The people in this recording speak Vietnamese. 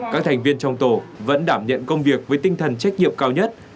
các thành viên trong tổ vẫn đảm nhận công việc với tinh thần trách nhiệm cao nhất